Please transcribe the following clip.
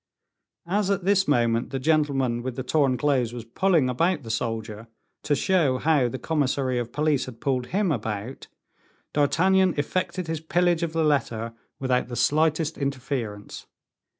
As at this moment the gentleman with the torn clothes was pulling about the soldier, to show how the commissary of police had pulled him about, D'Artagnan effected his pillage of the letter without the slightest interference.